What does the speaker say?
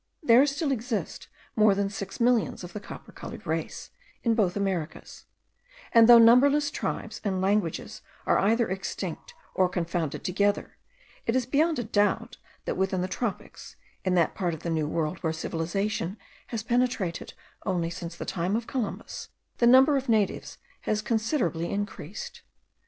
There still exist more than six millions of the copper coloured race, in both Americas; and, though numberless tribes and languages are either extinct, or confounded together, it is beyond a doubt that, within the tropics, in that part of the New World where civilization has penetrated only since the time of Columbus, the number of natives has considerably increased.